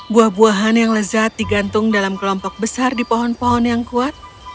buah buahan yang lezat digantung dalam kelompok besar di pohon pohon yang kuat